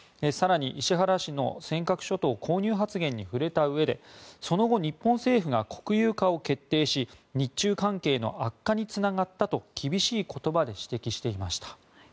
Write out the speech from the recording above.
更に石原氏の尖閣諸島購入発言に触れたうえでその後、日本政府が国有化を決定し日中関係の悪化につながったと厳しい言葉で指摘していました。